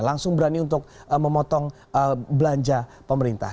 langsung berani untuk memotong belanja pemerintah